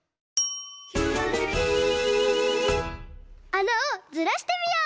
「ひらめき」あなをずらしてみよう！